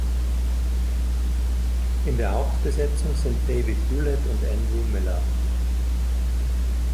In der Hauptbesetzung sind David Hewlett und Andrew Miller.